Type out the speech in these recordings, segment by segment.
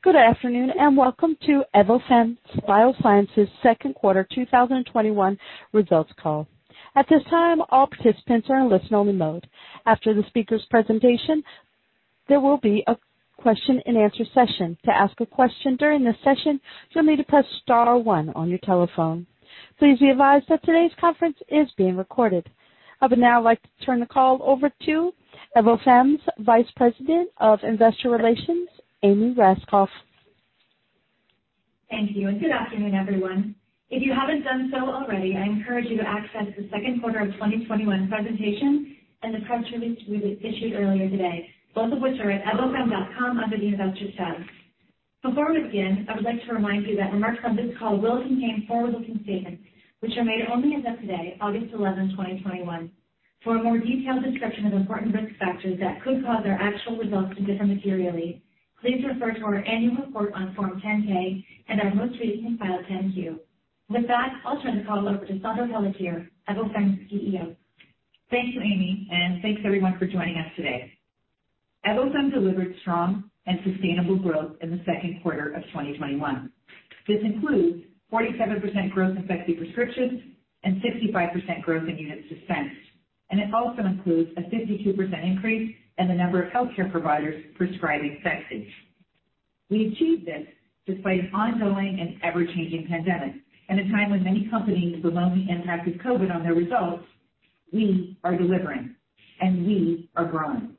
Good afternoon. Welcome to Evofem Biosciences 2nd quarter 2021 results call. I would now like to turn the call over to Evofem's Vice President of Investor Relations, Amy Raskopf. Thank you. Good afternoon, everyone. If you haven't done so already, I encourage you to access the second quarter of 2021 presentation and the press release we issued earlier today, both of which are at evofem.com under the investor tab. Before we begin, I would like to remind you that remarks from this call will contain forward-looking statements, which are made only as of today, August 11, 2021. For a more detailed description of important risk factors that could cause our actual results to differ materially, please refer to our annual report on Form 10-K and our most recent filed 10-Q. With that, I'll turn the call over to Saundra Pelletier, Evofem's CEO. Thank you, Amy Raskopf. Thanks everyone for joining us today. Evofem delivered strong and sustainable growth in the second quarter of 2021. This includes 47% growth in Phexxi prescriptions and 65% growth in units dispensed. It also includes a 52% increase in the number of healthcare providers prescribing Phexxi. We achieved this despite an ongoing and ever-changing pandemic. At a time when many companies bemoan the impact of COVID on their results, we are delivering, and we are growing.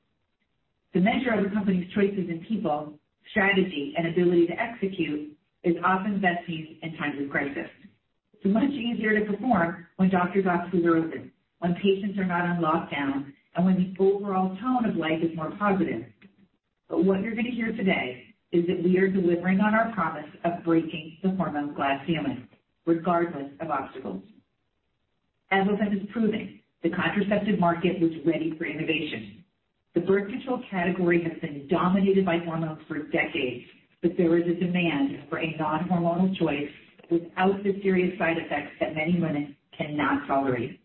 The measure of a company's choices in people, strategy, and ability to execute is often best seen in times of crisis. It's much easier to perform when doctors' offices are open, when patients are not on lockdown, and when the overall tone of life is more positive. What you're going to hear today is that we are delivering on our promise of breaking the hormone glass ceiling regardless of obstacles. Evofem is proving the contraceptive market was ready for innovation. The birth control category has been dominated by hormones for decades, but there is a demand for a non-hormonal choice without the serious side effects that many women cannot tolerate.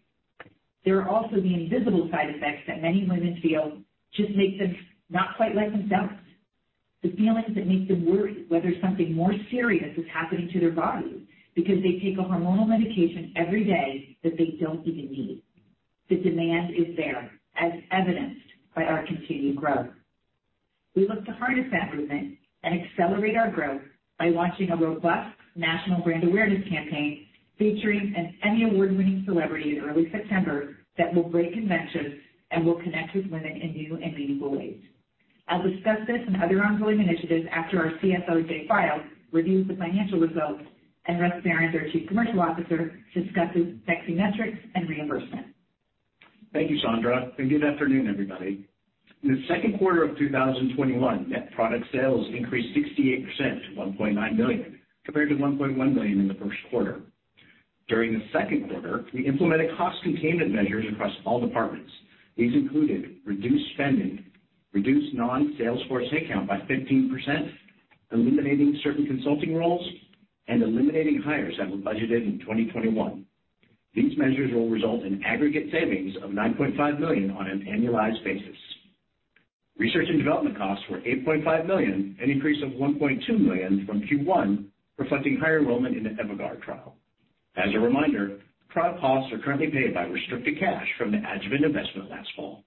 There are also the invisible side effects that many women feel just make them not quite like themselves. The feelings that make them worry whether something more serious is happening to their bodies because they take a hormonal medication every day that they don't even need. The demand is there, as evidenced by our continued growth. We look to harness that movement and accelerate our growth by launching a robust national brand awareness campaign featuring an Emmy award-winning celebrity in early September that will break conventions and will connect with women in new and meaningful ways. I'll discuss this and other ongoing initiatives after our CFO, Jay File, reviews the financial results, and Russ Barrans, our Chief Commercial Officer, discusses Phexxi metrics and reimbursement. Thank you, Saundra, and good afternoon, everybody. In the second quarter of 2021, net product sales increased 68% to $1.9 million, compared to $1.1 million in the first quarter. During the second quarter, we implemented cost containment measures across all departments. These included reduced spending, reduced non-salesforce headcount by 15%, eliminating certain consulting roles, and eliminating hires that were budgeted in 2021. These measures will result in aggregate savings of $9.5 million on an annualized basis. Research and development costs were $8.5 million, an increase of $1.2 million from Q1, reflecting higher enrollment in the EVOGUARD trial. As a reminder, trial costs are currently paid by restricted cash from the Adjuvant investment last fall.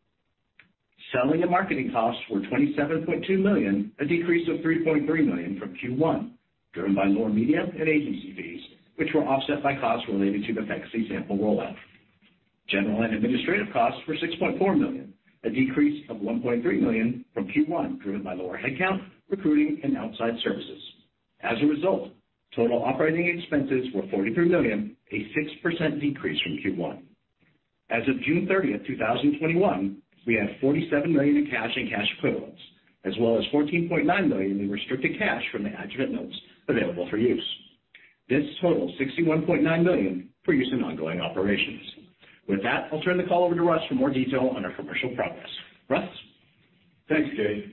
Selling and marketing costs were $27.2 million, a decrease of $3.3 million from Q1, driven by lower media and agency fees, which were offset by costs related to the Phexxi sample rollout. General and administrative costs were $6.4 million, a decrease of $1.3 million from Q1, driven by lower headcount, recruiting, and outside services. As a result, total operating expenses were $43 million, a 6% decrease from Q1. As of June 30, 2021, we have $47 million in cash and cash equivalents, as well as $14.9 million in restricted cash from the Adjuvant notes available for use. This totals $61.9 million for use in ongoing operations. With that, I'll turn the call over to Russ for more detail on our commercial progress. Russ? Thanks, Jay File.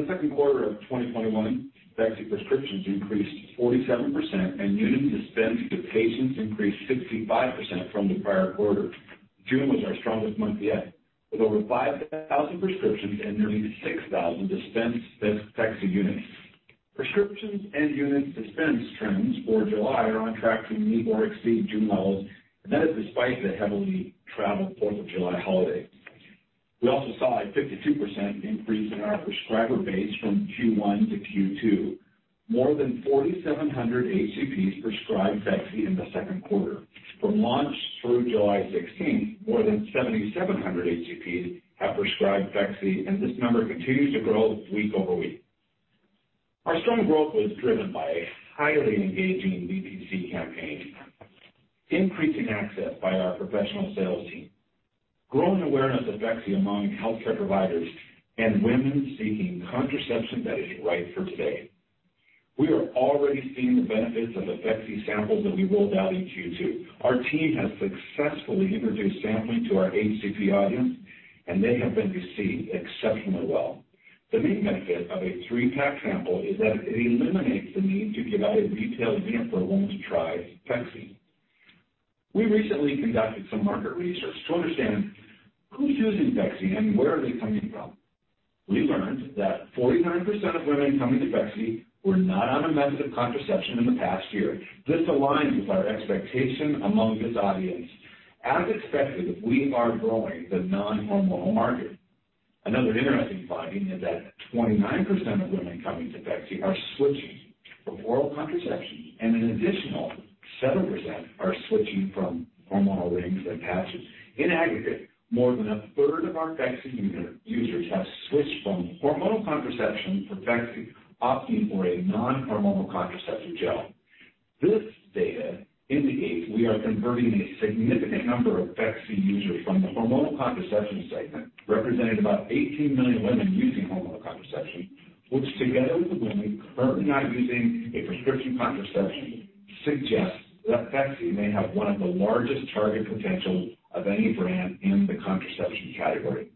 In the second quarter of 2021, Phexxi prescriptions increased 47% and units dispensed to patients increased 65% from the prior quarter. June was our strongest month yet, with over 5,000 prescriptions and nearly 6,000 dispensed Phexxi units. Prescriptions and units dispensed trends for July are on track to meet or exceed June levels, and that is despite the heavily traveled Fourth of July holiday. We also saw a 52% increase in our prescriber base from Q1 to Q2. More than 4,700 HCPs prescribed Phexxi in the second quarter. From launch through July 16th, more than 7,700 HCPs have prescribed Phexxi, and this number continues to grow week over week. Our strong growth was driven by a highly engaging DTC campaign, increasing access by our professional sales team, growing awareness of Phexxi among healthcare providers, and women seeking contraception that is right for today. We are already seeing the benefits of the Phexxi samples that we rolled out in Q2. Our team has successfully introduced sampling to our HCP audience, and they have been received exceptionally well. The main benefit of a three-pack sample is that it eliminates the need to give out a retail sample once tried Phexxi. We recently conducted some market research to understand who's using Phexxi and where are they coming from. We learned that 49% of women coming to Phexxi were not on a method of contraception in the past year. This aligns with our expectation among this audience. As expected, we are growing the non-hormonal market. Another interesting finding is that 29% of women coming to Phexxi are switching from oral contraception, and an additional 7% are switching from hormonal rings and patches. In aggregate, more than a third of our Phexxi users have switched from hormonal contraception to Phexxi, opting for a non-hormonal contraceptive gel. This data indicates we are converting a significant number of Phexxi users from the hormonal contraception segment, representing about 18 million women using hormonal contraception, which together with the women currently not using a prescription contraception, suggests that Phexxi may have one of the largest target potentials of any brand in the contraception category.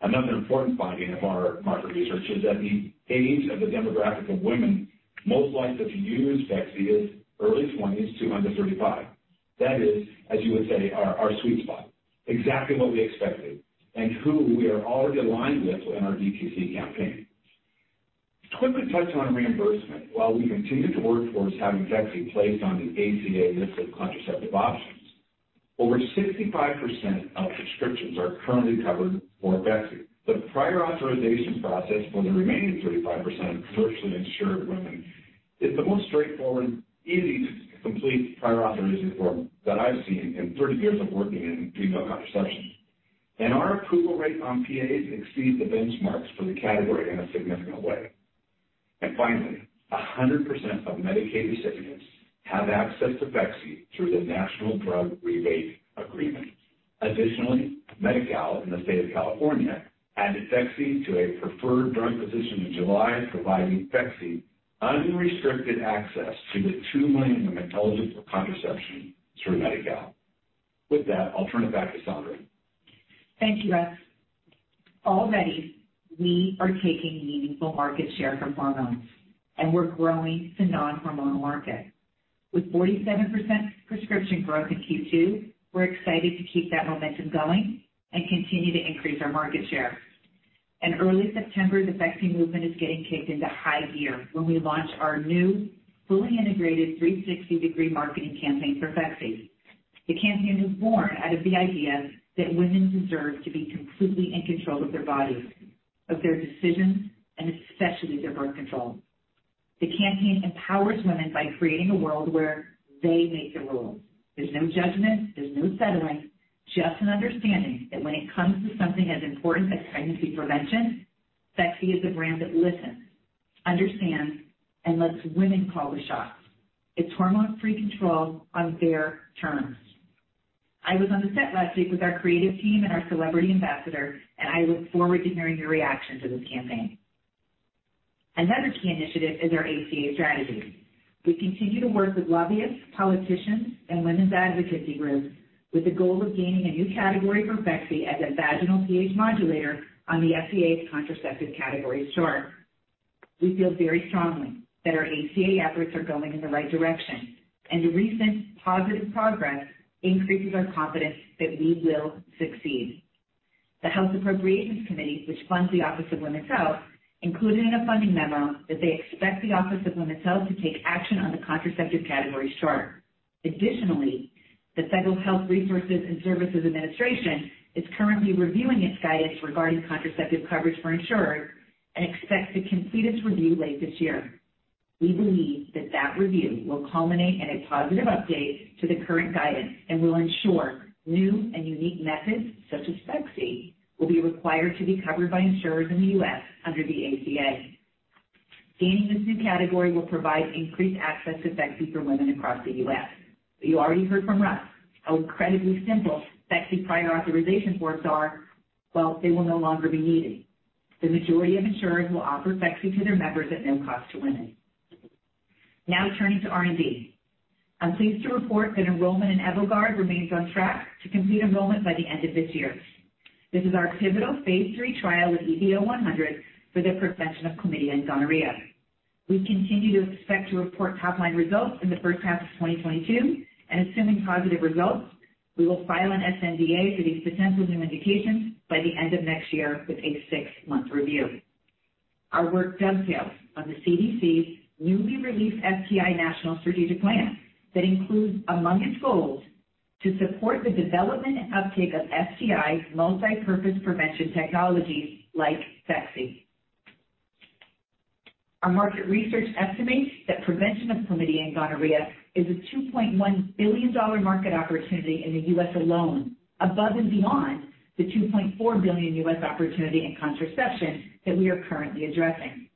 Another important finding of our market research is that the age of the demographic of women most likely to use Phexxi is early 20s to under 35. That is, as you would say, our sweet spot. Exactly what we expected and who we are already aligned with in our DTC campaign. To quickly touch on reimbursement, while we continue to work towards having Phexxi placed on the ACA list of contraceptive options, over 65% of prescriptions are currently covered for Phexxi. The prior authorization process for the remaining 35% of commercially insured women is the most straightforward, easy to complete prior authorization form that I've seen in 30 years of working in female contraception. Our approval rate on PAs exceeds the benchmarks for the category in a significant way. Finally, 100% of Medicaid recipients have access to Phexxi through the National Drug Rebate Agreement. Additionally, Medi-Cal in the state of California added Phexxi to a preferred drug position in July, providing Phexxi unrestricted access to the 2 million women eligible for contraception through Medi-Cal. With that, I'll turn it back to Saundra. Thank you, Russ. Already we are taking meaningful market share from hormones, and we're growing the non-hormonal market. With 47% prescription growth in Q2, we're excited to keep that momentum going and continue to increase our market share. In early September, the Phexxi movement is getting kicked into high gear when we launch our new, fully integrated 360-degree marketing campaign for Phexxi. The campaign is born out of the idea that women deserve to be completely in control of their bodies, of their decisions, and especially their birth control. The campaign empowers women by creating a world where they make the rules. There's no judgment, there's no settling, just an understanding that when it comes to something as important as pregnancy prevention, Phexxi is a brand that listens, understands, and lets women call the shots. It's hormone-free control on their terms. I was on the set last week with our creative team and our celebrity ambassador, and I look forward to hearing your reaction to this campaign. Another key initiative is our ACA strategy. We continue to work with lobbyists, politicians, and women's advocacy groups with the goal of gaining a new category for Phexxi as a vaginal pH modulator on the FDA's contraceptive category chart. We feel very strongly that our ACA efforts are going in the right direction, and the recent positive progress increases our confidence that we will succeed. The House Appropriations Committee, which funds the Office of Women's Health, included in a funding memo that they expect the Office of Women's Health to take action on the contraceptive category chart. Additionally, the Federal Health Resources and Services Administration is currently reviewing its guidance regarding contraceptive coverage for insurers and expects to complete its review late this year. We believe that that review will culminate in a positive update to the current guidance and will ensure new and unique methods, such as Phexxi, will be required to be covered by insurers in the U.S. under the ACA. Gaining this new category will provide increased access to Phexxi for women across the U.S. You already heard from Russ how incredibly simple Phexxi prior authorization forms are. Well, they will no longer be needed. The majority of insurers will offer Phexxi to their members at no cost to women. Now turning to R&D. I'm pleased to report that enrollment in EVOGUARD remains on track to complete enrollment by the end of this year. This is our pivotal phase III trial with EVO100 for the prevention of chlamydia and gonorrhea. We continue to expect to report top-line results in the first half of 2022. Assuming positive results, we will file an sNDA for these potential new indications by the end of next year with a six-month review. Our work dovetails on the CDC's newly released STI National Strategic Plan that includes among its goals to support the development and uptake of STI multi-purpose prevention technologies like Phexxi. Our market research estimates that prevention of chlamydia and gonorrhea is a $2.1 billion market opportunity in the U.S. alone, above and beyond the $2.4 billion US opportunity in contraception that we are currently addressing.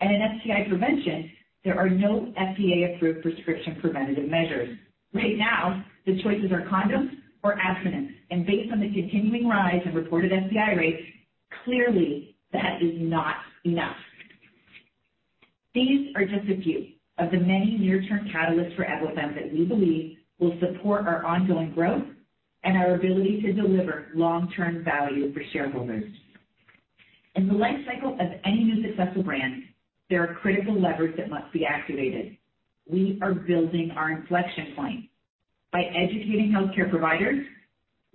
In STI prevention, there are no FDA-approved prescription preventative measures. Right now, the choices are condoms or abstinence, and based on the continuing rise in reported STI rates, clearly that is not enough. These are just a few of the many near-term catalysts for Evofem that we believe will support our ongoing growth and our ability to deliver long-term value for shareholders. In the life cycle of any new successful brand, there are critical levers that must be activated. We are building our inflection point by educating healthcare providers,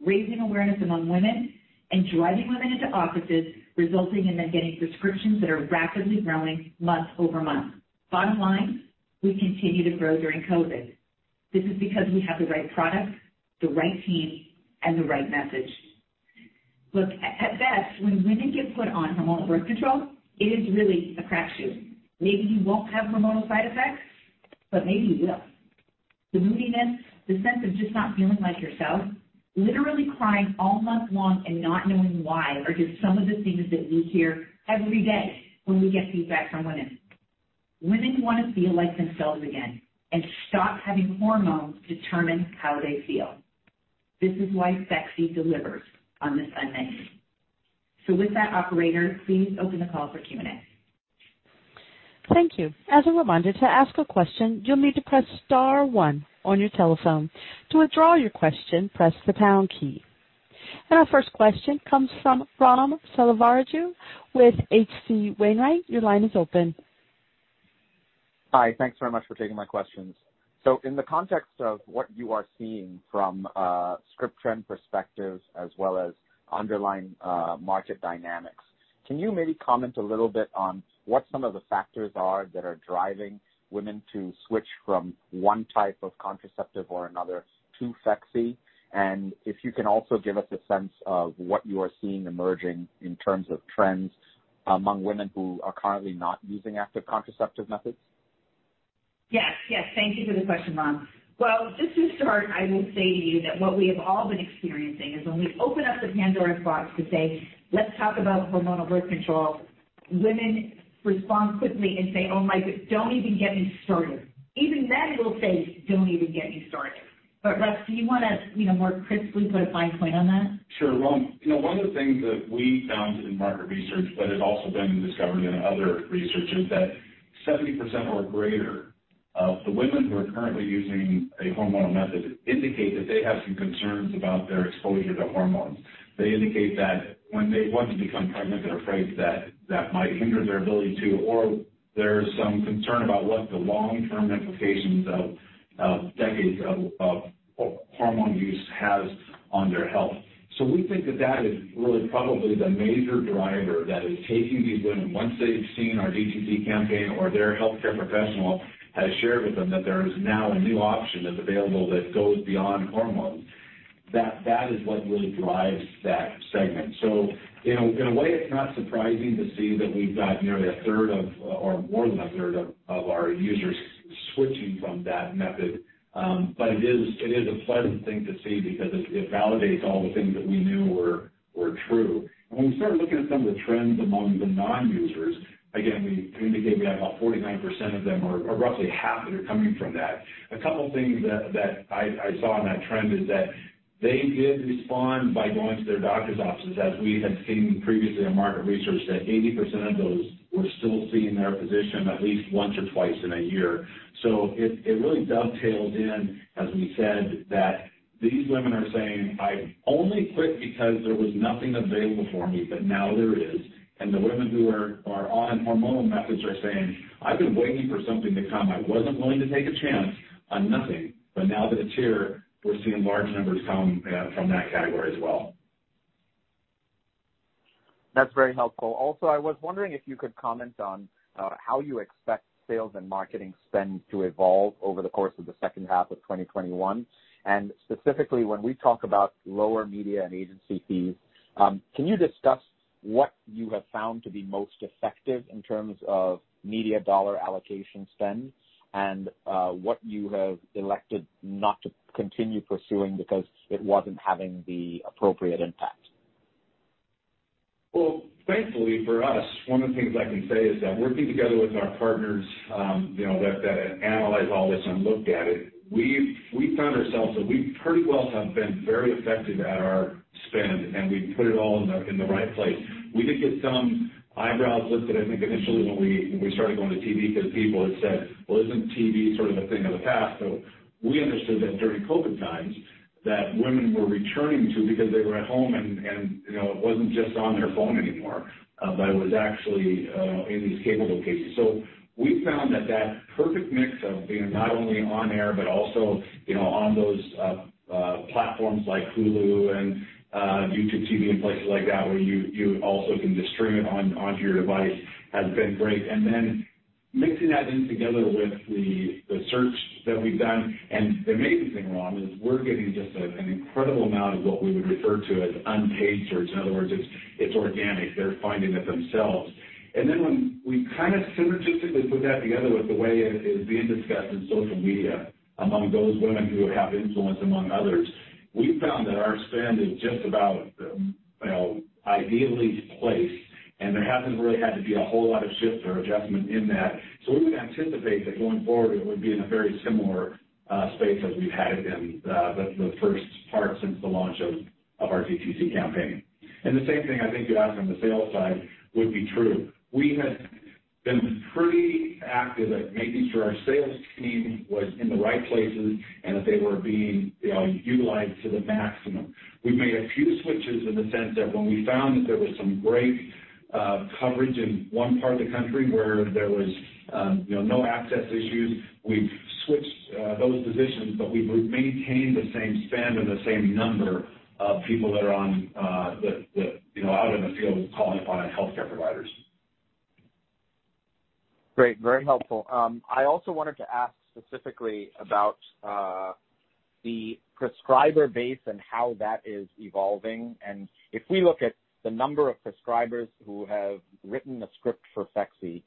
raising awareness among women, and driving women into offices, resulting in them getting prescriptions that are rapidly growing month-over-month. Bottom line, we continue to grow during COVID. This is because we have the right product, the right team, and the right message. Look, at best, when women get put on hormonal birth control, it is really a crapshoot. Maybe you won't have hormonal side effects, but maybe you will. The moodiness, the sense of just not feeling like yourself, literally crying all month long and not knowing why are just some of the things that we hear every day when we get feedback from women. Women want to feel like themselves again and stop having hormones determine how they feel. This is why Phexxi delivers on this unmet need. With that, operator, please open the call for Q&A. Thank you. Our first question comes from Ram Selvaraju with H.C. Wainwright. Your line is open. Hi. Thanks very much for taking my questions. In the context of what you are seeing from a script trend perspective as well as underlying market dynamics, can you maybe comment a little bit on what some of the factors are that are driving women to switch from one type of contraceptive or another to Phexxi? If you can also give us a sense of what you are seeing emerging in terms of trends among women who are currently not using active contraceptive methods. Yes. Thank you for the question, Ram. Well, just to start, I will say to you that what we have all been experiencing is when we open up the Pandora's box to say, "Let's talk about hormonal birth control," women respond quickly and say, "Don't even get me started." Even that it'll say, "Don't even get me started." Russ, do you want to more crisply put a fine point on that? Sure. Ram, one of the things that we found in market research that has also been discovered in other research is that 70% or greater of the women who are currently using a hormonal method indicate that they have some concerns about their exposure to hormones. They indicate that when they want to become pregnant, they're afraid that that might hinder their ability to, or there's some concern about what the long-term implications of decades of hormone use has on their health. We think that that is really probably the major driver that is taking these women, once they've seen our DTC campaign or their healthcare professional has shared with them that there is now a new option that's available that goes beyond hormones. That is what really drives that segment. In a way, it's not surprising to see that we've got nearly a third of, or more than a third of our users switching from that method. It is a pleasant thing to see because it validates all the things that we knew were true. When we started looking at some of the trends among the non-users, again, we indicate we have about 49% of them, or roughly half that are coming from that. A couple things that I saw in that trend is that they did respond by going to their doctor's offices, as we had seen previously in market research, that 80% of those were still seeing their physician at least once or twice in a year. It really dovetails in, as we said, that these women are saying, "I only quit because there was nothing available for me, but now there is." The women who are on hormonal methods are saying, "I've been waiting for something to come. I wasn't willing to take a chance on nothing." Now that it's here, we're seeing large numbers come from that category as well. That's very helpful. Also, I was wondering if you could comment on how you expect sales and marketing spend to evolve over the course of the second half of 2021. Specifically, when we talk about lower media and agency fees, can you discuss what you have found to be most effective in terms of media dollar allocation spend and what you have elected not to continue pursuing because it wasn't having the appropriate impact? Thankfully for us, one of the things I can say is that working together with our partners that analyze all this and looked at it, we've found ourselves that we pretty well have been very effective at our spend, and we put it all in the right place. We did get some eyebrows lifted, I think, initially when we started going to TV, because people had said, "Well, isn't TV sort of a thing of the past?" We understood that during COVID times that women were returning to because they were at home and it wasn't just on their phone anymore. It was actually in these cable locations. We found that that perfect mix of being not only on air, but also on those platforms like Hulu and YouTube TV and places like that, where you also can just stream it onto your device, has been great. Then mixing that in together with the search that we've done. The amazing thing, Ram, is we're getting just an incredible amount of what we would refer to as unpaid search. In other words, it's organic. They're finding it themselves. Then when we synergistically put that together with the way it is being discussed in social media among those women who have influence among others, we found that our spend is just about ideally placed, and there hasn't really had to be a whole lot of shift or adjustment in that. We would anticipate that going forward, it would be in a very similar space as we've had it in the first part since the launch of our DTC campaign. The same thing I think you asked on the sales side would be true. We had been pretty active at making sure our sales team was in the right places and that they were being utilized to the maximum. We made a few switches in the sense that when we found that there was some great coverage in one part of the country where there was no access issues, we switched those positions, but we've maintained the same spend and the same number of people that are out in the field calling upon healthcare providers. Great. Very helpful. I also wanted to ask specifically about the prescriber base and how that is evolving. If we look at the number of prescribers who have written a script for Phexxi,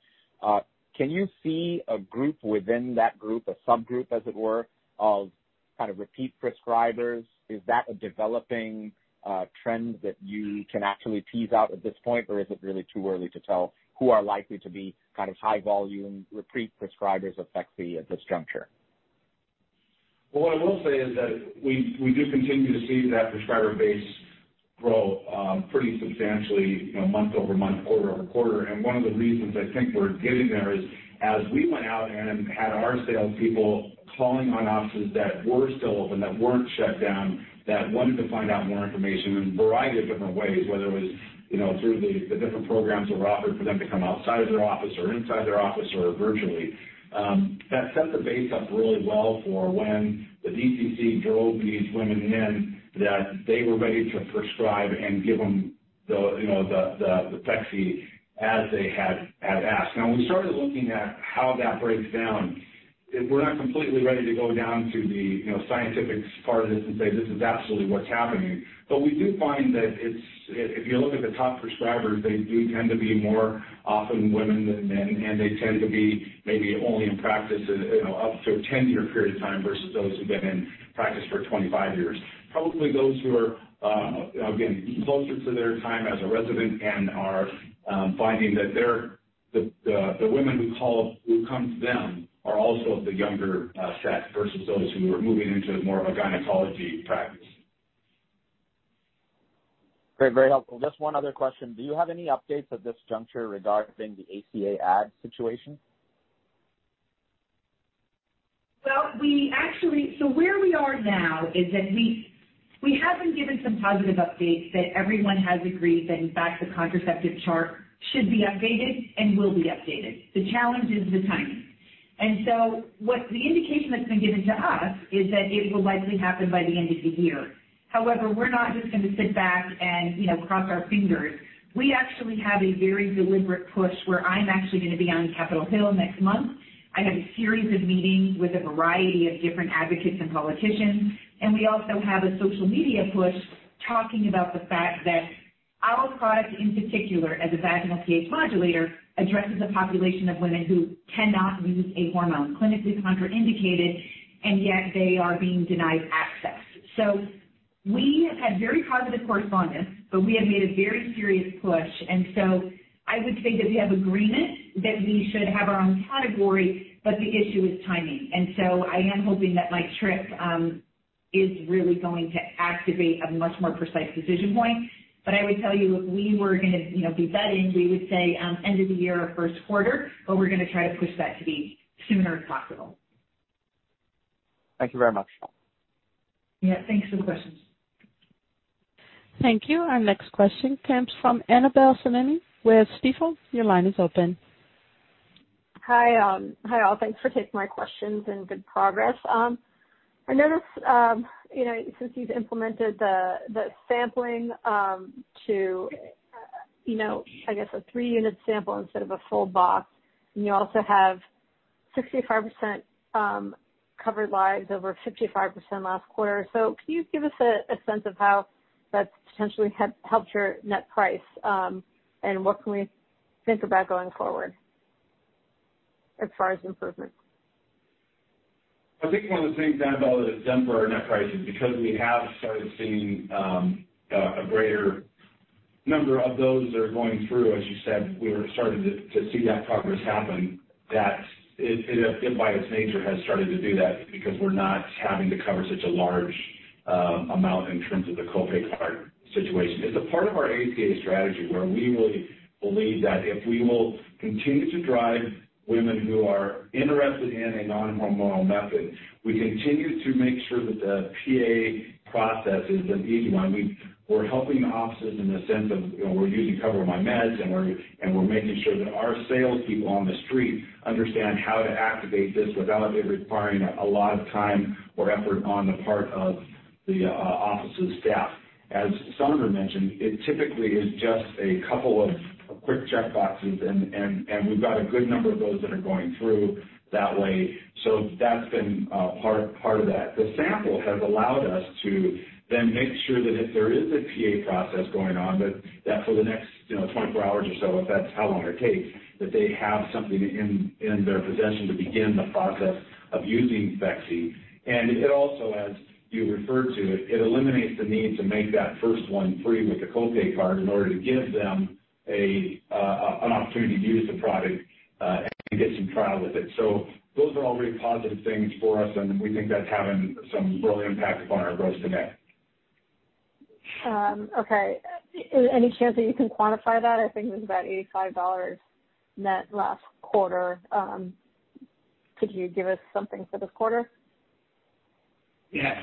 can you see a group within that group, a subgroup, as it were, of kind of repeat prescribers? Is that a developing trend that you can actually tease out at this point? Or is it really too early to tell who are likely to be kind of high volume repeat prescribers of Phexxi at this juncture? Well, what I will say is that we do continue to see that prescriber base grow pretty substantially month-over-month, quarter-over-quarter. One of the reasons I think we're getting there is as we went out and had our salespeople calling on offices that were still open, that weren't shut down, that wanted to find out more information in a variety of different ways, whether it was through the different programs that were offered for them to come outside of their office or inside their office or virtually. That set the base up really well for when the DTC drove these women in, that they were ready to prescribe and give them the Phexxi as they had asked. Now we started looking at how that breaks down. We're not completely ready to go down to the scientific part of this and say, "This is absolutely what's happening." We do find that if you look at the top prescribers, they do tend to be more often women than men, and they tend to be maybe only in practice up to a 10-year period of time versus those who've been in practice for 25 years. Probably those who are, again, closer to their time as a resident and are finding that the women who come to them are also of the younger set versus those who are moving into more of a gynecology practice. Great. Very helpful. Just one other question. Do you have any updates at this juncture regarding the ACA add situation? Well, where we are now is that we have been given some positive updates that everyone has agreed that, in fact, the contraceptive chart should be updated and will be updated. The challenge is the timing. The indication that's been given to us is that it will likely happen by the end of the year. However, we're not just going to sit back and cross our fingers. We actually have a very deliberate push where I'm actually going to be on Capitol Hill next month. I have a series of meetings with a variety of different advocates and politicians, and we also have a social media push talking about the fact that our product, in particular, as a vaginal pH modulator, addresses a population of women who cannot use a hormone, clinically contraindicated, and yet they are being denied access. We have had very positive correspondence, but we have made a very serious push. I would say that we have agreement that we should have our own category, but the issue is timing. I am hoping that my trip is really going to activate a much more precise decision point. I would tell you, if we were going to be betting, we would say end of the year or first quarter, but we're going to try to push that to be sooner if possible. Thank you very much. Yeah. Thanks for the questions. Thank you. Our next question comes from Annabel Samimy with Stifel. Your line is open. Hi, all. Thanks for taking my questions and good progress. I noticed since you've implemented the sampling to, I guess a three-unit sample instead of a full box, and you also have 65% covered lives over 55% last quarter. Can you give us a sense of how that's potentially helped your net price? And what can we think about going forward as far as improvements? I think one of the things, Annabel, that it's done for our net price is because we have started seeing a greater number of those that are going through, as you said, we were starting to see that progress happen, that it by its nature has started to do that because we're not having to cover such a large amount in terms of the co-pay card situation. It's a part of our ACA strategy where we really believe that if we will continue to drive women who are interested in a non-hormonal method, we continue to make sure that the PA process is an easy one. We're helping offices in the sense of we're using CoverMyMeds and we're making sure that our salespeople on the street understand how to activate this without it requiring a lot of time or effort on the part of the office's staff. As Saundra mentioned, it typically is just a couple of quick check boxes and we've got a good number of those that are going through that way. That's been part of that. The sample has allowed us to then make sure that if there is a PA process going on, that for the next 24 hours or so, if that's how long it takes, that they have something in their possession to begin the process of using Phexxi. It also, as you referred to it, eliminates the need to make that first one free with the co-pay card in order to give them an opportunity to use the product and get some trial with it. Those are all really positive things for us, and we think that's having some real impact upon our gross-to-net. Okay. Any chance that you can quantify that? I think it was about $85 net last quarter. Could you give us something for this quarter? Yeah.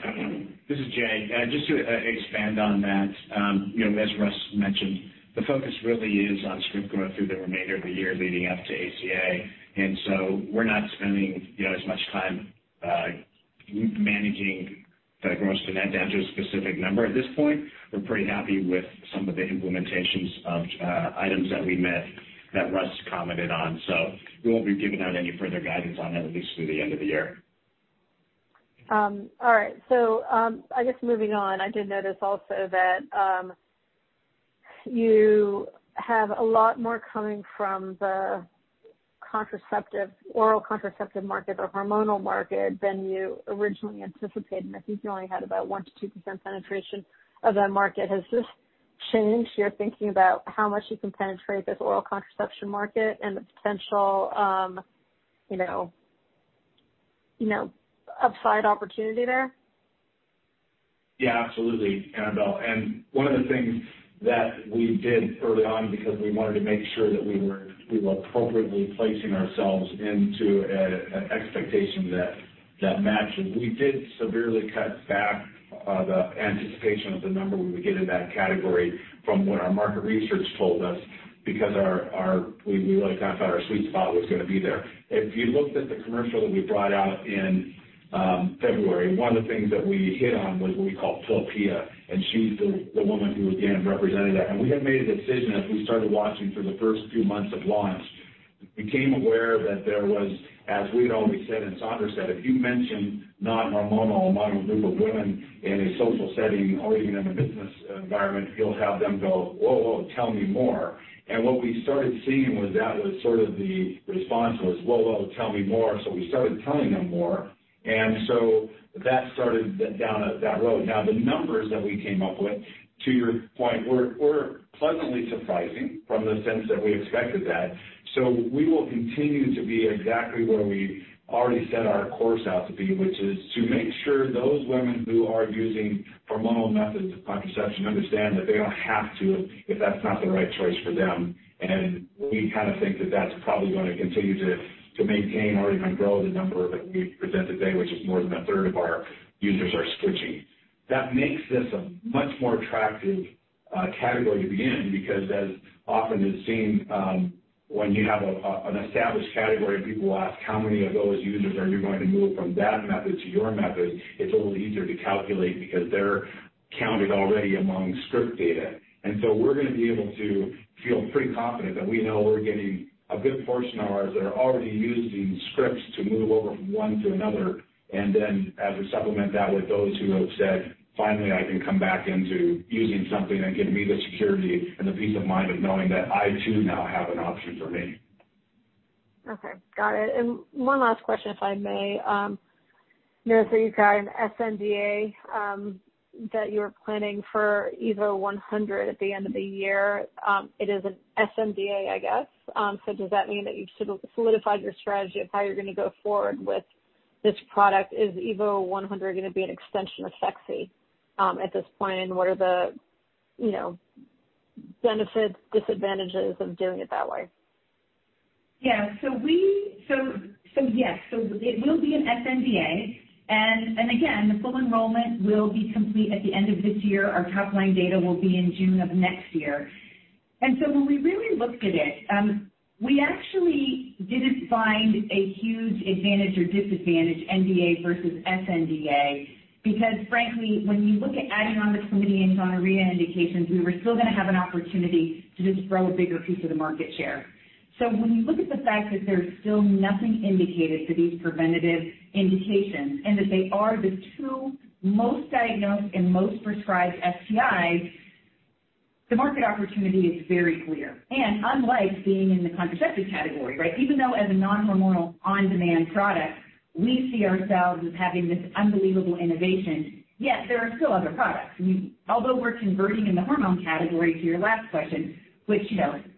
This is Jay. Just to expand on that, as Russ mentioned, the focus really is on script growth through the remainder of the year leading up to ACA. We're not spending as much time managing the gross-to-net down to a specific number at this point. We're pretty happy with some of the implementations of items that we met that Russ commented on. We won't be giving out any further guidance on that, at least through the end of the year. All right. I guess moving on. I did notice also that you have a lot more coming from the oral contraceptive market or hormonal market than you originally anticipated. I think you only had about 1%-2% penetration of that market. Has this changed your thinking about how much you can penetrate this oral contraception market and the potential upside opportunity there? Absolutely, Annabel. One of the things that we did early on, because we wanted to make sure that we were appropriately placing ourselves into an expectation that matched. We did severely cut back the anticipation of the number when we get in that category from what our market research told us, because we really kind of thought our sweet spot was going to be there. If you looked at the commercial that we brought out in February, one of the things that we hit on was what we call Philpia, and she's the woman who, again, represented that. We had made a decision as we started watching through the first few months of launch. We became aware that there was, as we had always said and Saundra said, if you mention non-hormonal among a group of women in a social setting or even in a business environment, you'll have them go, "Whoa, tell me more." What we started seeing was that was sort of the response, "Whoa, tell me more." We started telling them more, that started down that road. The numbers that we came up with, to your point, were pleasantly surprising from the sense that we expected that. We will continue to be exactly where we already set our course out to be, which is to make sure those women who are using hormonal methods of contraception understand that they don't have to if that's not the right choice for them. We kind of think that that's probably going to continue to maintain or even grow the number that we presented today, which is more than a third of our users are switching. That makes this a much more attractive category to be in, because as often is seen when you have an established category, people ask, how many of those users are you going to move from that method to your method? It's a little easier to calculate because they're counted already among script data. So we're going to be able to feel pretty confident that we know we're getting a good portion of ours that are already using scripts to move over from one to another. As we supplement that with those who have said, "Finally, I can come back into using something that gives me the security and the peace of mind of knowing that I, too, now have an option for me. Okay, got it. One last question, if I may. Notice that you've got an sNDA that you were planning for EVO100 at the end of the year. It is an sNDA, I guess. Does that mean that you've solidified your strategy of how you're going to go forward with this product? Is EVO100 going to be an extension of Phexxi at this point? What are the benefits, disadvantages of doing it that way? Yes. It will be an sNDA, and again, the full enrollment will be complete at the end of this year. Our top-line data will be in June of next year. When we really looked at it, we actually didn't find a huge advantage or disadvantage NDA versus sNDA because frankly, when you look at adding on the chlamydia and gonorrhea indications, we were still going to have an opportunity to just grow a bigger piece of the market share. When you look at the fact that there's still nothing indicated for these preventative indications and that they are the two most diagnosed and most prescribed STIs, the market opportunity is very clear. Unlike being in the contraceptive category, even though as a non-hormonal on-demand product, we see ourselves as having this unbelievable innovation, yet there are still other products. Although we're converting in the hormone category to your last question, which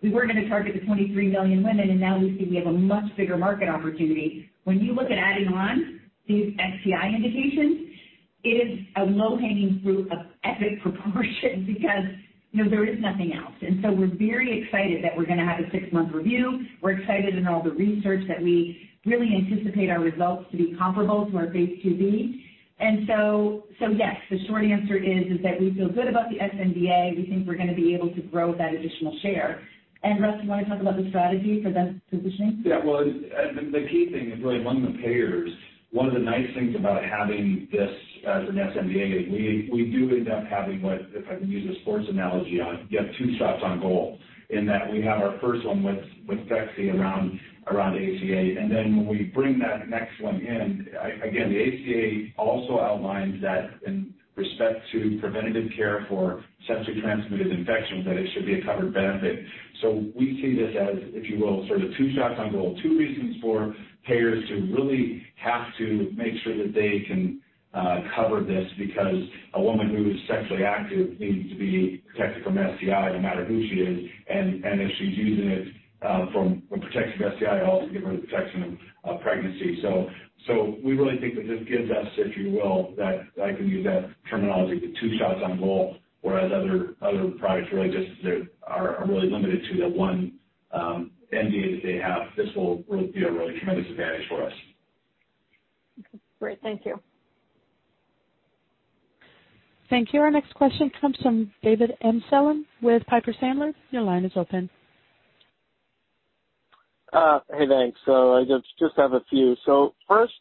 we were going to target the 23 million women, now we see we have a much bigger market opportunity. When you look at adding on these STI indications, it is a low-hanging fruit of epic proportion because there is nothing else. We're very excited that we're going to have a six-month review. We're excited in all the research that we really anticipate our results to be comparable to our Phase II-B. Yes, the short answer is that we feel good about the sNDA. We think we're going to be able to grow that additional share. Russ, you want to talk about the strategy for that positioning? Well, the key thing is really among the payers. One of the nice things about having this as an sNDA is we do end up having what, if I can use a sports analogy, you have two shots on goal. We have our first one with Phexxi around ACA, then when we bring that next one in, again, the ACA also outlines that in respect to preventative care for sexually transmitted infections, that it should be a covered benefit. We see this as, if you will, sort of two shots on goal, two reasons for payers to really have to make sure that they can cover this, because a woman who is sexually active needs to be protected from STI no matter who she is. If she's using it from protection of STI, also give her the protection of pregnancy. We really think that this gives us, if you will, that I can use that terminology, the two shots on goal, whereas other products really just are really limited to the one NDA that they have. This will be a really tremendous advantage for us. Okay, great. Thank you. Thank you. Our next question comes from David Amsellem with Piper Sandler. Your line is open. Hey, thanks. I just have a few. First,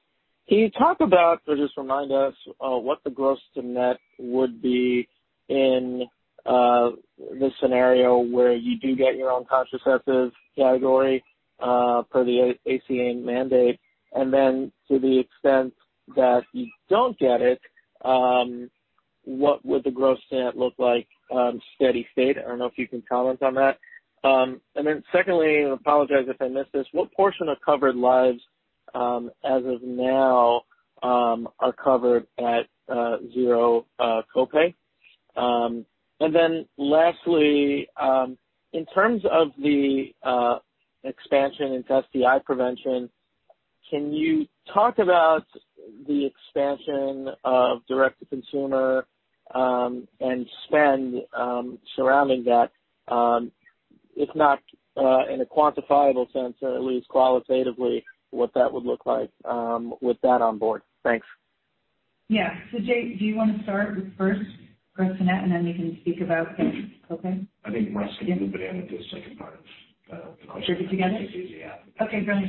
can you talk about, or just remind us, what the gross-to-net would be in this scenario where you do get your own contraceptives category per the ACA mandate? To the extent that you don't get it, what would the gross-to-net look like, steady state? I don't know if you can comment on that. Secondly, and apologize if I missed this, what portion of covered lives, as of now, are covered at zero copay? Lastly, in terms of the expansion into STI prevention, can you talk about the expansion of direct-to-consumer and spend surrounding that, if not in a quantifiable sense, at least qualitatively what that would look like with that on board? Thanks. Yeah. Jay, do you want to start with first gross-to-net, and then we can speak about the copay? I think Russ can move it in with the second part of the question. Together? Yeah. Okay, great.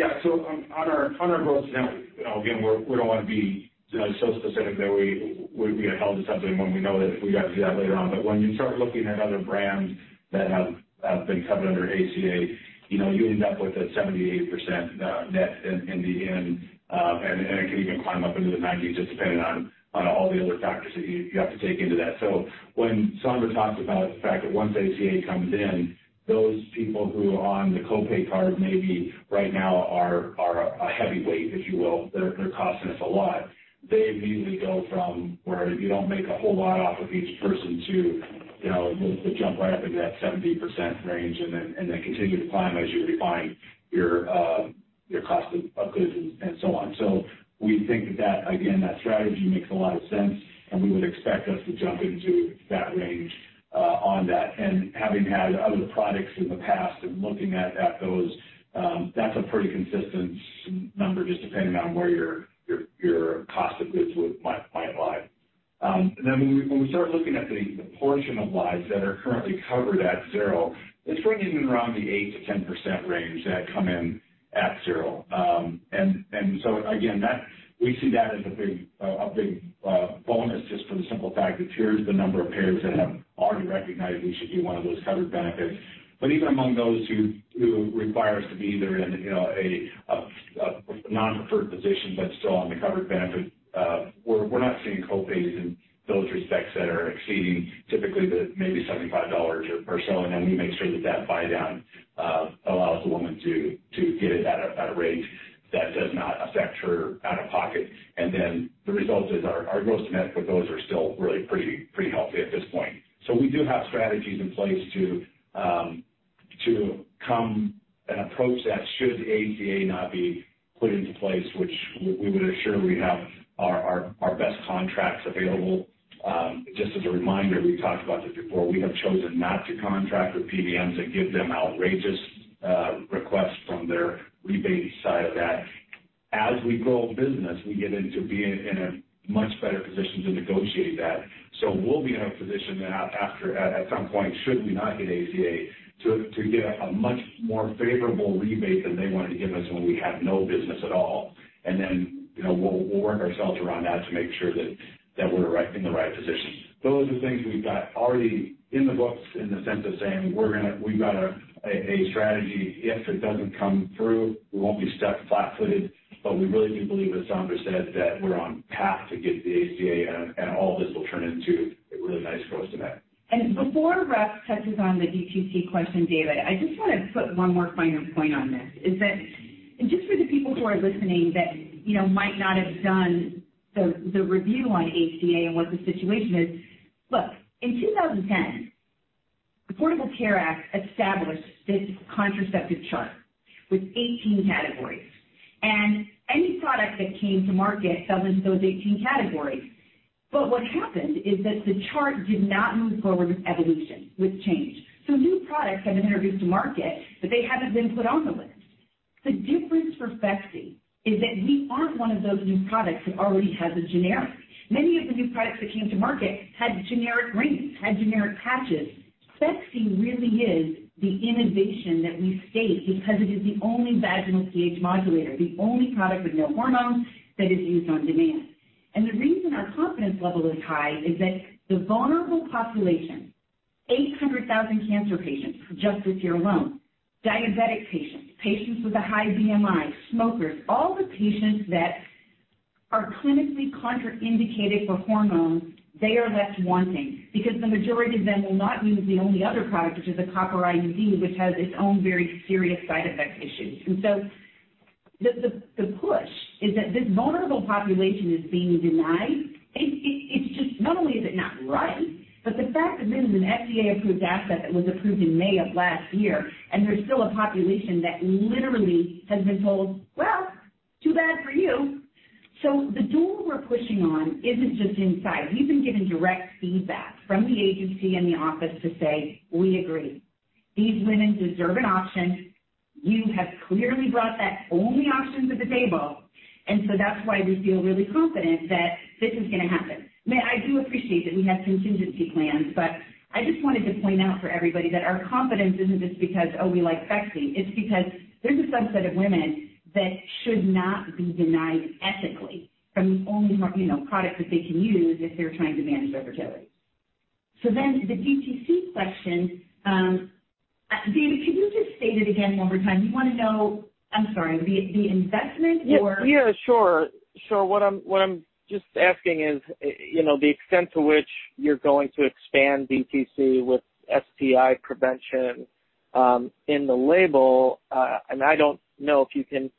On our gross-to-net, again, we don't want to be so specific that we get held to something when we know that we got to do that later on. When you start looking at other brands that have been covered under ACA, you end up with a 78% net in the end, and it can even climb up into the 90s just depending on all the other factors that you have to take into that. When Saundra talks about the fact that once ACA comes in, those people who are on the copay card maybe right now are a heavyweight, if you will. They're costing us a lot. They immediately go from where you don't make a whole lot off of each person to, they'll jump right up into that 70% range and then continue to climb as you refine your cost of goods and so on. We think that, again, that strategy makes a lot of sense, and we would expect us to jump into that range on that. Having had other products in the past and looking at those, that's a pretty consistent number, just depending on where your cost of goods would might lie. When we start looking at the portion of lives that are currently covered at zero, it's ringing around the 8%-10% range that come in at zero. Again, we see that as a big bonus, just from the simple fact that here's the number of payers that have already recognized we should be one of those covered benefits. Even among those who require us to be there in a non-preferred position but still on the covered benefit, we're not seeing copays in those respects that are exceeding typically the maybe $75 or so. We make sure that that buydown allows the woman to get it at a rate that does not affect her out-of-pocket. The result is our gross-to-net for those are still really pretty healthy at this point. We do have strategies in place to come and approach that should the ACA not be put into place, which we would assure we have our best contracts available. Just as a reminder, we've talked about this before, we have chosen not to contract with PBMs that give them outrageous requests from their rebate side of that. We grow business, we get into being in a much better position to negotiate that. We'll be in a position then at some point, should we not get ACA, to get a much more favorable rebate than they wanted to give us when we had no business at all. We'll work ourselves around that to make sure that we're in the right position. Those are the things we've got already in the books in the sense of saying, we've got a strategy. If it doesn't come through, we won't be stuck flat-footed. We really do believe, as Saundra said, that we're on path to get the ACA, and all this will turn into a really nice gross-to-net. Before Russ touches on the DTC question, David, I just want to put one more finer point on this, is that, and just for the people who are listening that might not have done the review on ACA and what the situation is. Look, in 2010, Affordable Care Act established this contraceptive chart with 18 categories. Any product that came to market fell into those 18 categories. What happened is that the chart did not move forward with evolution, with change. New products have been introduced to market, but they haven't been put on the list. The difference for Phexxi is that we aren't one of those new products that already has a generic. Many of the new products that came to market had generic rings, had generic patches. Phexxi really is the innovation that we state because it is the only vaginal pH modulator, the only product with no hormones that is used on demand. The reason our confidence level is high is that the vulnerable population, 800,000 cancer patients just this year alone, diabetic patients with a high BMI, smokers, all the patients that are clinically contraindicated for hormones, they are left wanting, because the majority of them will not use the only other product, which is a copper IUD, which has its own very serious side effect issues. The push is that this vulnerable population is being denied. Not only is it not right, the fact that this is an FDA-approved asset that was approved in May of last year, and there's still a population that literally has been told, "Well, too bad for you." The door we're pushing on isn't just inside. We've been given direct feedback from the agency and the office to say, "We agree." These women deserve an option. You have clearly brought that only option to the table, that's why we feel really confident that this is going to happen. I do appreciate that we have contingency plans, I just wanted to point out for everybody that our confidence isn't just because, oh, we like Phexxi. It's because there's a subset of women that should not be denied ethically from the only product that they can use if they're trying to manage their fertility. The DTC question, David, could you just state it again one more time? You want to know, I'm sorry, the investment? Yeah, sure. What I'm just asking is the extent to which you're going to expand DTC with STI prevention in the label. I don't know if you can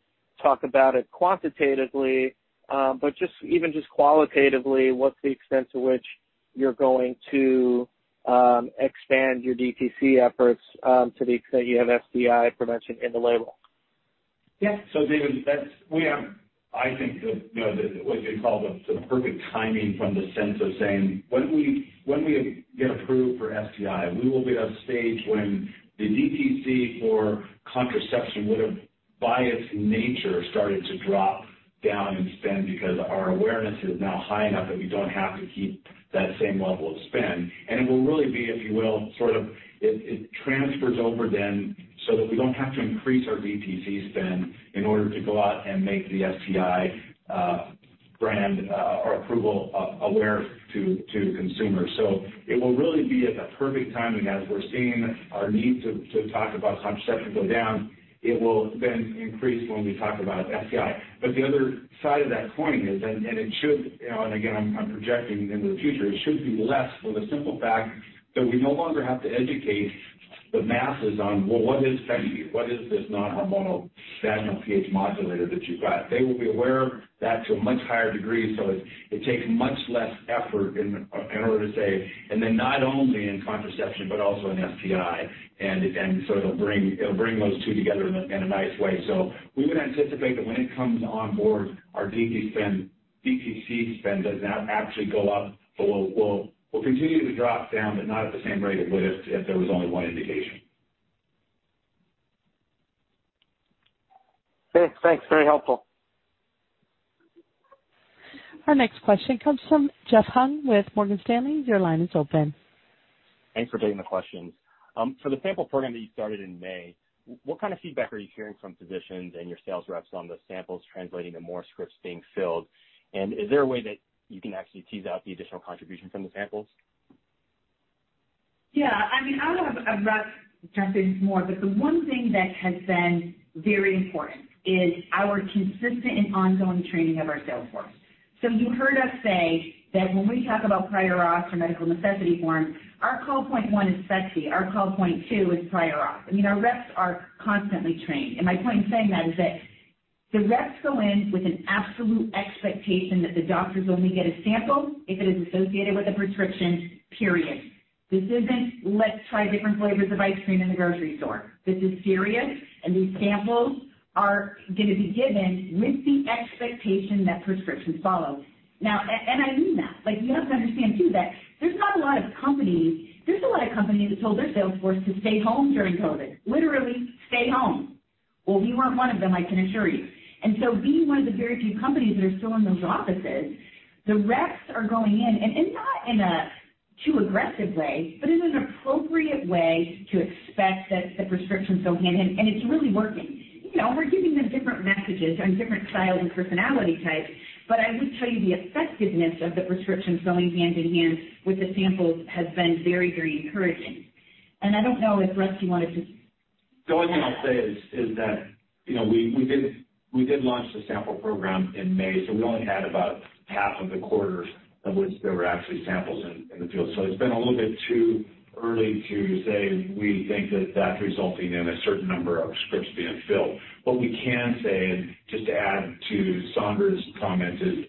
talk about it quantitatively, but just even just qualitatively, what's the extent to which you're going to expand your DTC efforts to the extent you have STI prevention in the label? David, we have, I think what they call the perfect timing from the sense of saying, when we get approved for STI, we will be at a stage when the DTC for contraception would have, by its nature, started to drop down in spend because our awareness is now high enough that we don't have to keep that same level of spend. It will really be, if you will, it transfers over then so that we don't have to increase our DTC spend in order to go out and make the STI brand or approval aware to consumers. It will really be at the perfect timing as we're seeing our need to talk about contraception go down. It will then increase when we talk about STI. The other side of that coin is, it should, and again, I'm projecting into the future, it should be less for the simple fact that we no longer have to educate the masses on, what is Phexxi? What is this non-hormonal vaginal pH modulator that you've got? They will be aware of that to a much higher degree. It takes much less effort in order to say, not only in contraception but also in STI. It'll bring those two together in a nice way. We would anticipate that when it comes on board, our DTC spend does not actually go up. We'll continue to drop down, not at the same rate it would if there was only one indication. Okay, thanks. Very helpful. Our next question comes from Jeff Hung with Morgan Stanley. Your line is open. Thanks for taking the questions. For the sample program that you started in May, what kind of feedback are you hearing from physicians and your sales reps on those samples translating to more scripts being filled? Is there a way that you can actually tease out the additional contribution from the samples? Yeah. I mean, I don't know if Russ can jump into this more, but the one thing that has been very important is our consistent and ongoing training of our sales force. You heard us say that when we talk about prior auth or medical necessity forms, our call point one is Phexxi, our call point two is prior auth. Our reps are constantly trained, and my point in saying that is that the reps go in with an absolute expectation that the doctors only get a sample if it is associated with a prescription, period. This isn't let's try different flavors of ice cream in the grocery store. This is serious, and these samples are going to be given with the expectation that prescriptions follow. I mean that. You have to understand, too, that there's a lot of companies that told their sales force to stay home during COVID, literally stay home. Well, we weren't one of them, I can assure you. Being one of the very few companies that are still in those offices, the reps are going in and not in a too aggressive way, but in an appropriate way to expect that the prescriptions go hand in hand. It's really working. We're giving them different messages and different styles and personality types. I would tell you the effectiveness of the prescriptions going hand in hand with the samples has been very encouraging. I don't know if Russ, you wanted to. The only thing I'll say is that we did launch the sample program in May, we only had about half of the quarter of which there were actually samples in the field. It's been a little bit too early to say we think that that's resulting in a certain number of scripts being filled. What we can say, and just to add to Saundra's comment, is,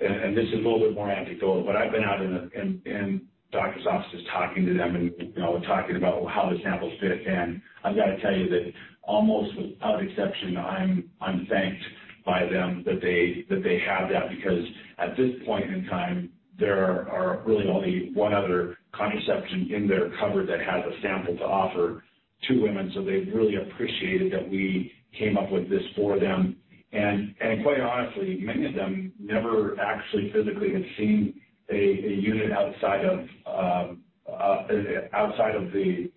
and this is a little bit more anecdotal, but I've been out in doctors' offices talking to them and talking about how the samples fit. I've got to tell you that almost without exception, I'm thanked by them that they have that, because at this point in time, there are really only 1 other contraception in their cover that has a sample to offer to women. They've really appreciated that we came up with this for them. Quite honestly, many of them never actually physically had seen a unit outside of the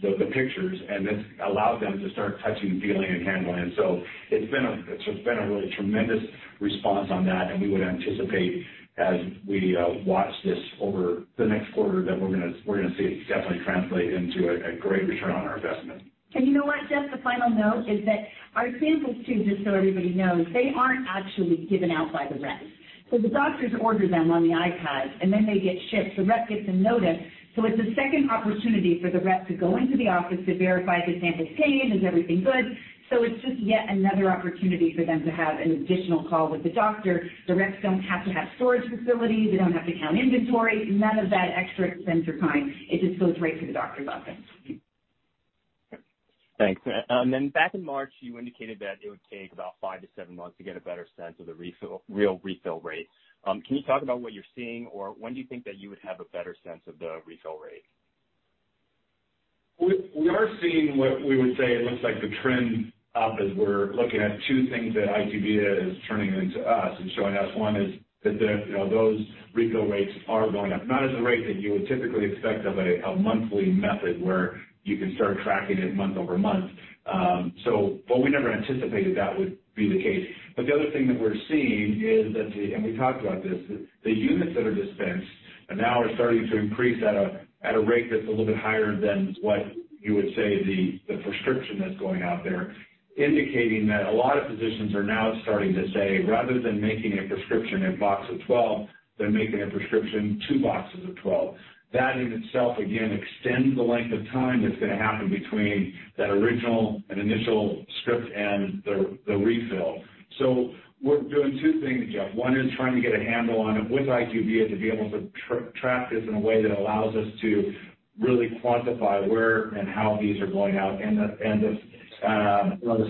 pictures, and this allowed them to start touching, feeling, and handling. It's been a really tremendous response on that, and we would anticipate as we watch this over the next quarter, that we're going to see it definitely translate into a great return on our investment. You know what, Jeff? The final note is that our samples, too, just so everybody knows, they aren't actually given out by the reps. The doctors order them on the iPad, and then they get shipped. The rep gets a notice. It's a second opportunity for the rep to go into the office to verify the sample's taken, is everything good? It's just yet another opportunity for them to have an additional call with the doctor. The reps don't have to have storage facilities. They don't have to count inventory. None of that extra expense or time. It just goes right to the doctor's office. Thanks. Back in March, you indicated that it would take about five to seven months to get a better sense of the real refill rates. Can you talk about what you're seeing? When do you think that you would have a better sense of the refill rate? We are seeing what we would say looks like the trend up as we're looking at two things that IQVIA is turning into us and showing us. One is that those refill rates are going up, not at the rate that you would typically expect of a monthly method where you can start tracking it month over month. We never anticipated that would be the case. The other thing that we're seeing is that, and we talked about this, the units that are dispensed now are starting to increase at a rate that's a little bit higher than what you would say the prescription that's going out there, indicating that a lot of physicians are now starting to say, rather than making a prescription a box of 12, they're making a prescription two boxes of 12. That in itself, again, extends the length of time that's going to happen between that original and initial script and the refill. We're doing two things, Jeff. One is trying to get a handle on it with IQVIA to be able to track this in a way that allows us to really quantify where and how these are going out. The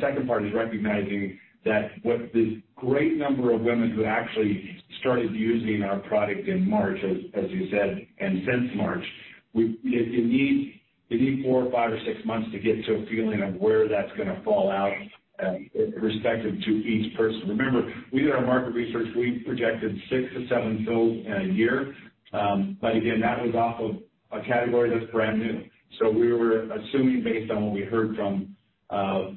second part is recognizing that with this great number of women who actually started using our product in March, as you said, and since March, you need four or five or six months to get to a feeling of where that's going to fall out respective to each person. Remember, we did our market research, we projected six to seven fills in a year. Again, that was off of a category that's brand new. We were assuming based on what we heard from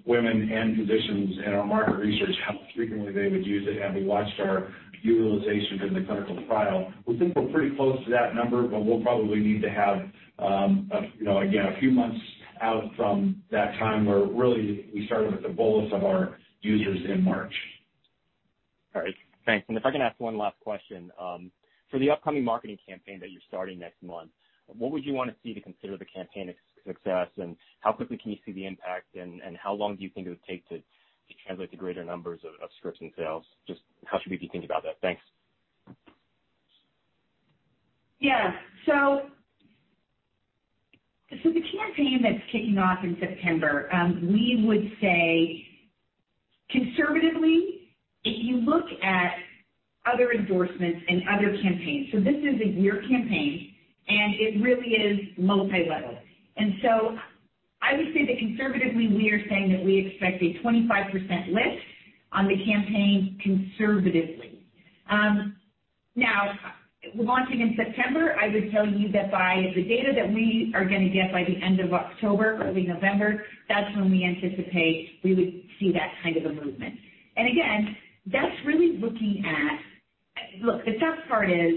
women and physicians in our market research, how frequently they would use it, and we watched our utilizations in the clinical trial. We think we're pretty close to that number, but we'll probably need to have, again, a few months out from that time where really we started with the bulk of our users in March. All right. Thanks. If I can ask one last question. For the upcoming marketing campaign that you're starting next month, what would you want to see to consider the campaign a success, and how quickly can you see the impact, and how long do you think it would take to translate to greater numbers of scripts and sales? Just how should we be thinking about that? Thanks. Yeah. The campaign that's kicking off in September, we would say conservatively, if you look at other endorsements and other campaigns. This is a one year campaign, and it really is multilevel. I would say that conservatively, we are saying that we expect a 25% lift on the campaign, conservatively. Now, launching in September, I would tell you that by the data that we are going to get by the end of October, early November, that's when we anticipate we would see that kind of a movement. That's really looking at- look, the tough part is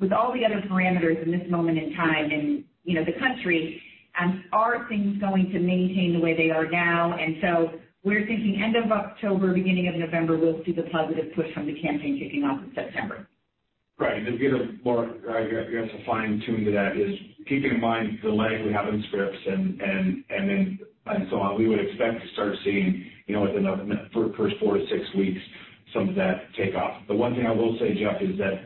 with all the other parameters in this moment in time in the country, are things going to maintain the way they are now? We're thinking end of October, beginning of November, we'll see the positive push from the campaign kicking off in September. Right. I guess, a fine tune to that is keeping in mind the lag we have in scripts and so on, we would expect to start seeing within the first four to six weeks, some of that take off. The one thing I will say, Jeff, is that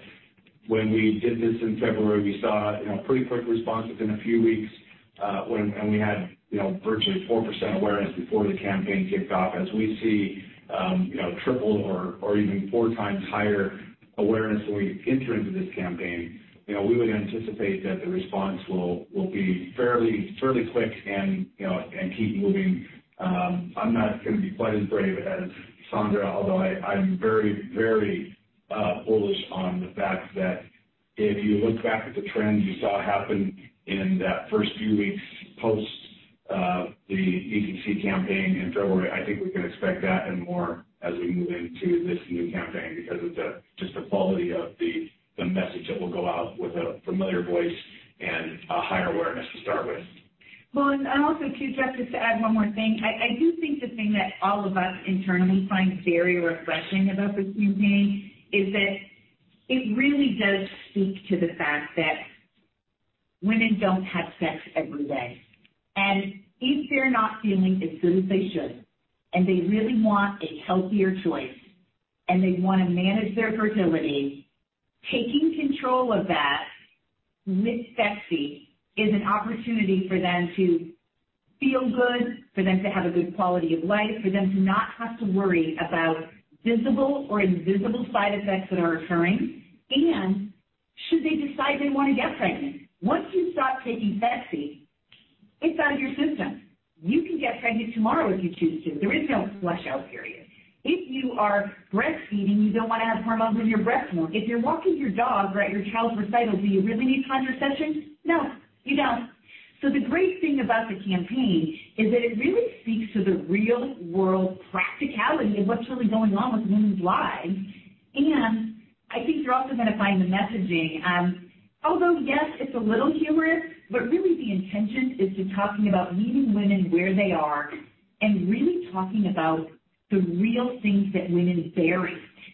when we did this in February, we saw a pretty quick response within a few weeks, and we had virtually 4% awareness before the campaign kicked off. As we see triple or even four times higher awareness when we enter into this campaign, we would anticipate that the response will be fairly quick and keep moving. I'm not going to be quite as brave as Saundra, although I'm very bullish on the fact that if you look back at the trends you saw happen in that first few weeks post the DTC campaign in February, I think we can expect that and more as we move into this new campaign because of just the quality of the message that will go out with a familiar voice and a higher awareness to start with. Well, also, too, Jeff, just to add one more thing. I do think the thing that all of us internally find very refreshing about this campaign is that it really does speak to the fact that women don't have sex every day. If they're not feeling as good as they should, and they really want a healthier choice, and they want to manage their fertility, taking control of that with Phexxi is an opportunity for them to feel good, for them to have a good quality of life, for them to not have to worry about visible or invisible side effects that are occurring, and should they decide they want to get pregnant. Once you stop taking Phexxi, it's out of your system. You can get pregnant tomorrow if you choose to. There is no flush-out period. If you are breastfeeding, you don't want to have hormones in your breast milk. If you're walking your dog or at your child's recital, do you really need contraception? No, you don't. The great thing about the campaign is that it really speaks to the real-world practicality of what's really going on with women's lives. I think you're also going to find the messaging, although, yes, it's a little humorous, but really the intention is just talking about meeting women where they are and really talking about the real things that women bear.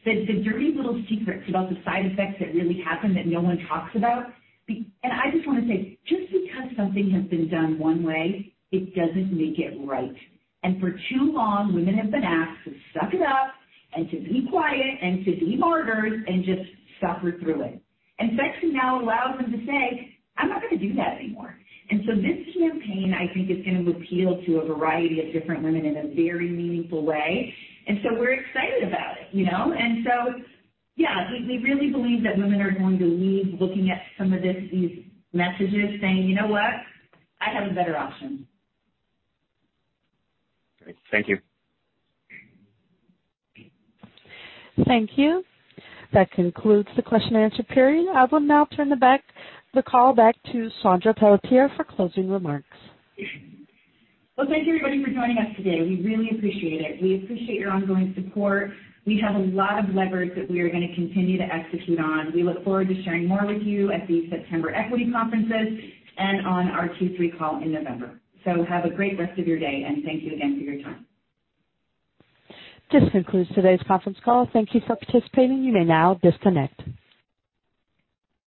The dirty little secrets about the side effects that really happen that no one talks about. I just want to say, just because something has been done one way, it doesn't make it right. For too long, women have been asked to suck it up and to be quiet and to be martyrs and just suffer through it. Phexxi now allows them to say, "I'm not going to do that anymore." This campaign, I think, is going to appeal to a variety of different women in a very meaningful way. We're excited about it. Yeah, we really believe that women are going to leave looking at some of these messages saying, "You know what? I have a better option. Great. Thank you. Thank you. That concludes the question and answer period. I will now turn the call back to Saundra Pelletier for closing remarks. Well, thank you, everybody, for joining us today. We really appreciate it. We appreciate your ongoing support. We have a lot of levers that we are going to continue to execute on. We look forward to sharing more with you at the September equity conferences and on our Q3 call in November. Have a great rest of your day, and thank you again for your time. This concludes today's conference call. Thank you for participating. You may now disconnect.